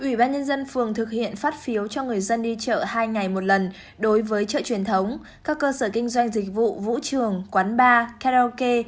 ủy ban nhân dân phường thực hiện phát phiếu cho người dân đi chợ hai ngày một lần đối với chợ truyền thống các cơ sở kinh doanh dịch vụ vũ trường quán bar karaoke